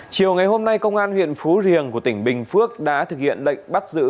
chiều ngày hôm nay công an huyện phú riềng của tỉnh bình phước đã thực hiện lệnh bắt giữ